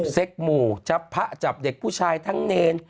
เซ็กหมู่พระจับเด็กผู้ชายทั้งเนร